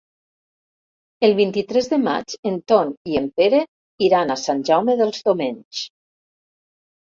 El vint-i-tres de maig en Ton i en Pere iran a Sant Jaume dels Domenys.